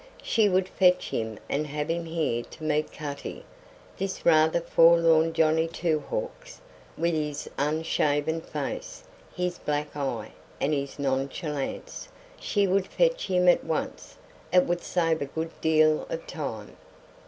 She would fetch him and have him here to meet Cutty, this rather forlorn Johnny Two Hawks, with his unshaven face, his black eye, and his nonchalance. She would fetch him at once. It would save a good deal of time.